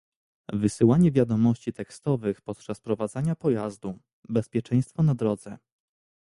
Wysyłanie wiadomości tekstowych podczas prowadzenia pojazdu - bezpieczeństwo na drodze